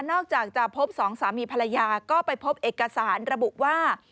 อกจากจะพบสองสามีภรรยาก็ไปพบเอกสารระบุว่า